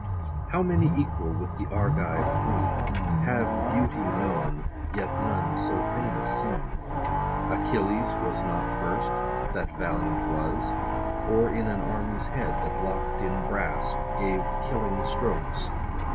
How many equal with the Argive queen, 40 Have beauty known, yet none so famous seen ? Achilles was not first, that valiant was, Or, in an army's head, that lock'd in brass Gave killing strokes.